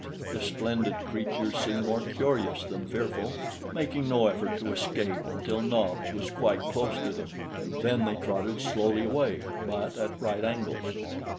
The splendid creatures seemed more curious than fearful, making no effort to escape until Nobs was quite close to them; then they trotted slowly away, but at right angles.